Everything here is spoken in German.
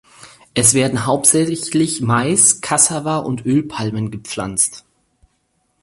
Es werden hauptsächlich Mais, Cassava und Ölpalmen gepflanzt.